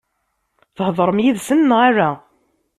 Theḍṛem yid-sen neɣ ala?